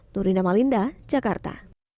nurina malinda jakarta